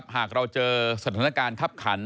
หากเราเจอสถานการณ์คับขัน